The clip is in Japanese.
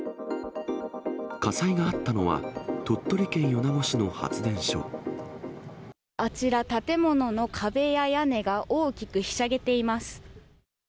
火災があったのは、あちら、建物の壁や屋根が大きくひしゃげています。